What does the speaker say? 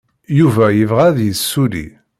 Yuba yebɣa ad yessulli.